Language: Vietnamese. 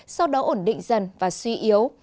sau đó ổn định dần và suy yếu